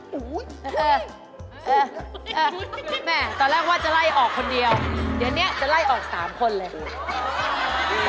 แม่ตอนแรกว่าจะไล่ออกคนเดียวเดี๋ยวนี้จะไล่ออก๓คนเลย